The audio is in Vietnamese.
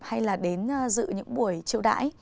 hay là đến dự những buổi triệu đãi